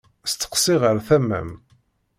Steqsi ɣer tama-m.